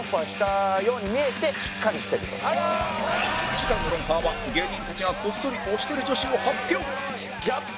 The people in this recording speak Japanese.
次回の『ロンハー』は芸人たちがこっそり推してる女子を発表